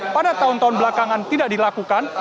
pada tahun tahun belakangan tidak dilakukan